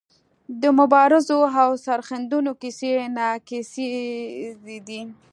د مبارزو او سرښندنو کیسې ناکیسیزې دي.